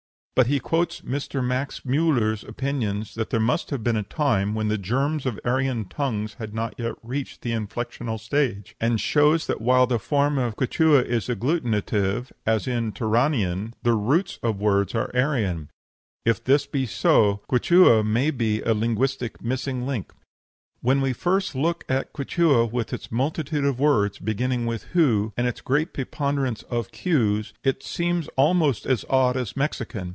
But he quotes Mr. Max Müller's opinion that there must have been a time when the germs of Aryan tongues had not yet reached the inflexional stage, and shows that while the form of Quichua is agglutinative, as in Turanian, the roots of words are Aryan. If this be so, Quichua may be a linguistic missing link. "When we first look at Quichua, with its multitude of words, beginning with hu, and its great preponderance of q's, it seems almost as odd as Mexican.